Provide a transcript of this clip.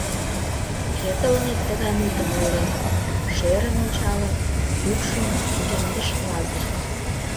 — Кӧ тыланет тыгай мутым ойлен? — шӧрын ончалын, йӱкшым кугемдыш Лазыр.